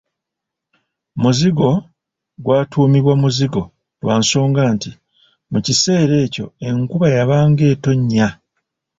Muzigo gwatuumibwa Muzigo lwa nsonga nti mu kiseera ekyo enkuba yabanga etonnya.